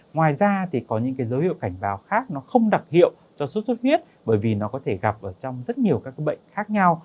ngoài ra thì có những cái dấu hiệu cảnh báo khác nó không đặc hiệu cho sốt xuất huyết bởi vì nó có thể gặp trong rất nhiều các bệnh khác nhau